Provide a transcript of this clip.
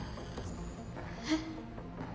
えっ？